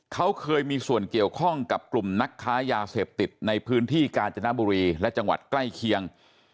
เขาเคยมีส่วนเกี่ยวข้องกับกลุ่มนักค้ายาเสพติดในพื้นที่กาญจนบุรีและจังหวัดใกล้เคียง